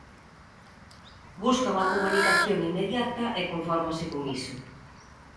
Busca unha comunicación inmediata e confórmase con iso.